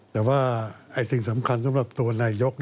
แต่ว่าสิ่งสำคัญสำหรับตัวนายก